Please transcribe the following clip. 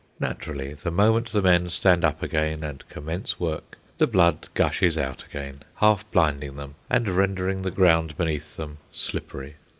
Naturally, the moment the men stand up again and commence work, the blood gushes out again, half blinding them, and rendering the ground beneath them slippery.